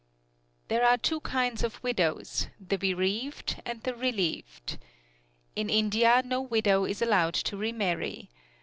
There are two kinds of widows, the bereaved and the relieved. In India no widow is allowed to remarry.